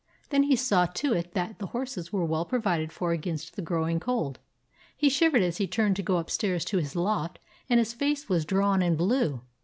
Then he saw to it that the horses were well provided for against the growing cold. He shivered as he turned to go upstairs to his loft, and his face was drawn and blue.